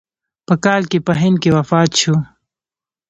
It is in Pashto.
په کال کې په هند کې وفات شو.